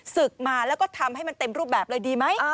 ศึกมาแล้วก็ทำให้มันเต็มรูปแบบเลยดีไหม